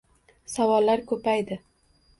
Savollar ko’paydi…